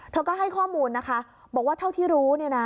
เขาก็ให้ข้อมูลนะคะบอกว่าเท่าที่รู้